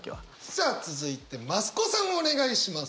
さあ続いて増子さんお願いします。